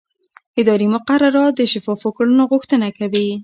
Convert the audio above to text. اداري مقررات د شفافو کړنو غوښتنه کوي.